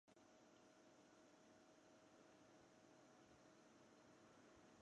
而任何市民如进行性别重塑手术有责任向入境处申请更改性别纪录。